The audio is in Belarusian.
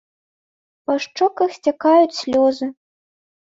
Па шчоках сцякаюць слёзы.